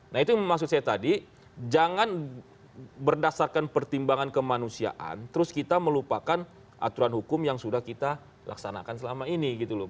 nah itu yang maksud saya tadi jangan berdasarkan pertimbangan kemanusiaan terus kita melupakan aturan hukum yang sudah kita laksanakan selama ini gitu loh